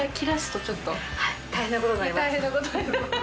大変なことになります？